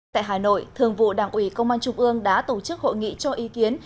tại hà nội thường vụ đảng ủy công an trung ương đã tổ chức hội nghị cho ý kiến